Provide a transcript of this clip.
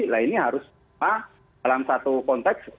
nah ini harus dalam satu konteks